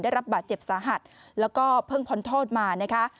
ได้รับบาดเจ็บสาหัสแล้วก็เพิ่งพ้นโทษมานะคะ